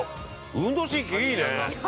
運動神経いいね。